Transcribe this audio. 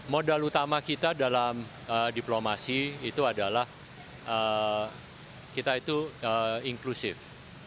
modal utama kita dalam diplomasi itu adalah kita itu inklusif